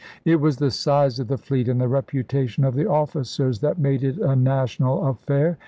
It was the size of the fleet and the reputation of the officers that made it a national affair.